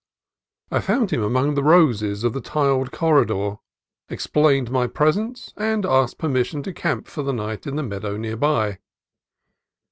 I found him among the roses of the tiled corridor, explained my presence, and asked permission to camp for the night in the meadow near by.